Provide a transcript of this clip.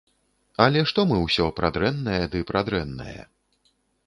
Але што мы ўсё пра дрэннае ды пра дрэннае?